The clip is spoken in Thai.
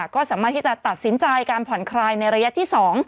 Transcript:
ก็สามารถที่จะตัดสินใจการผ่อนคลายในระยะที่๒